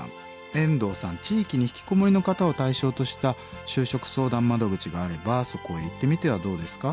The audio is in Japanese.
「エンドウさん地域にひきこもりの方を対象とした就職相談窓口があればそこへ行ってみてはどうですか？